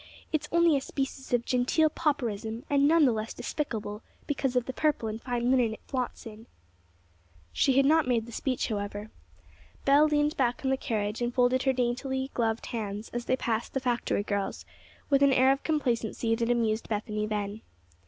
It's only a species of genteel pauperism, and none the less despicable because of the purple and fine linen it flaunts in." She had not made the speech, however. Belle leaned back in the carriage, and folded her daintily gloved hands, as they passed the factory girls, with an air of complacency that amused Bethany then.